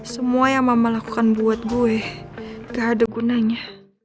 semua yang mama lakukan buat gue gak ada gunanya